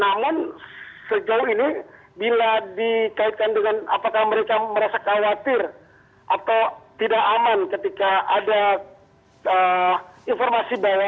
namun sejauh ini bila dikaitkan dengan apakah mereka merasa khawatir atau tidak aman ketika ada informasi bahwa